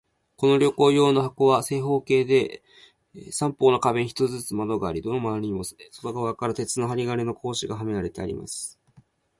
この旅行用の箱は、正方形で、三方の壁に一つずつ窓があり、どの窓にも外側から鉄の針金の格子がはめてあります。